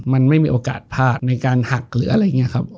มันไม่มีโอกาสพลาดในการหักหรืออะไรอย่างนี้ครับ